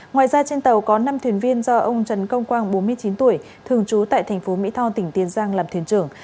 ngoài ra trên tàu có năm thuyền viên do ông trần công quang bốn mươi chín tuổi thường trú tại thành phố mỹ tho tỉnh tiền giang làm thuyền trưởng